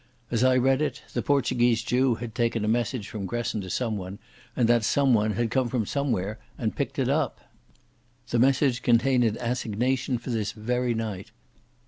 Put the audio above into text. As I read it, the Portuguese Jew had taken a message from Gresson to someone, and that someone had come from somewhere and picked it up. The message contained an assignation for this very night.